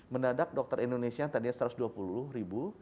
mendadak dokter indonesia yang tadinya satu ratus dua puluh ribu